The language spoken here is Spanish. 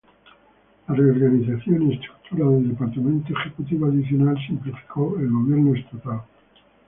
La reorganización y estructura del departamento ejecutivo adicional simplificó el gobierno estatal.